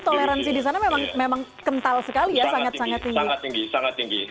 referensi di sana memang memang kental sekali sangat sangat tinggi sangat tinggi sangat tinggi